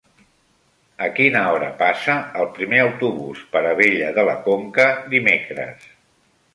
A quina hora passa el primer autobús per Abella de la Conca dimecres?